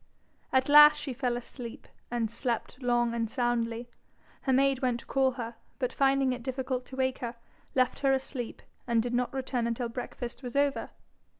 At last she fell asleep, and slept long and soundly. Her maid went to call her, but finding it difficult to wake her, left her asleep, and did not return until breakfast was over.